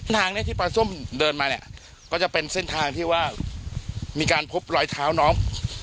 ทางนี้ที่ปลาส้มเดินมาเนี่ยก็จะเป็นเส้นทางที่ว่ามีการพบรอยเท้าน้อง